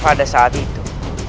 pada saat itu